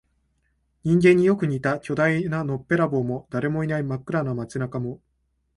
人間によく似た巨大なのっぺらぼうも、誰もいない真っ暗な街中も、